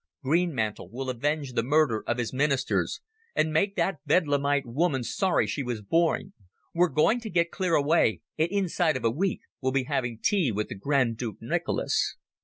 Greenmantle will avenge the murder of his ministers, and make that bedlamite woman sorry she was born. We're going to get clear away, and inside of a week we'll be having tea with the Grand Duke Nicholas."